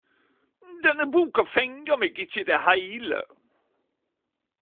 Denne boka fenga ikkje meg i det heile!